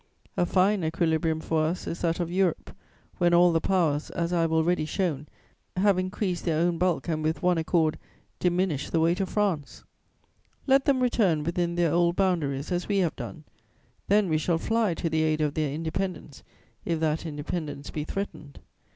A fine equilibrium for us is that of Europe, when all the Powers, as I have already shown, have increased their own bulk and, with one accord, diminished the weight of France! Let them return within their old boundaries, as we have done; then we shall fly to the aid of their independence, if that independence be threatened.